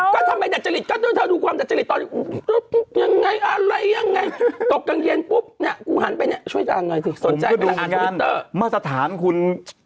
ก็ทำให้ธรรมจริตก็ว่าถ้าเธอดูความธรรมจริตตอนนี้